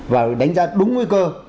và đánh giá đúng nguy cơ